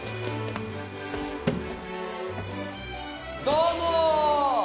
どうもー！